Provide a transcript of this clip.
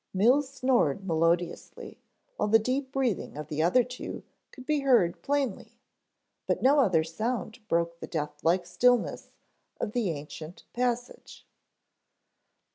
Mills snored melodiously, while the deep breathing of the other two could be heard plainly, but no other sound broke the death like stillness of the ancient passage.